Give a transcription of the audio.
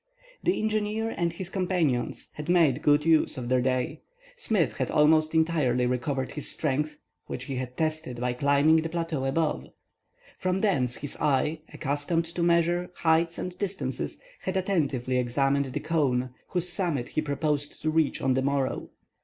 The engineer and his companion had made good use of their day. Smith had almost entirely recovered his strength, which he had tested by climbing the plateau above. From thence his eye, accustomed to measure heights and distances, had attentively examined the cone whose summit he proposed to reach on the morrow.